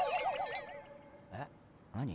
えっ何？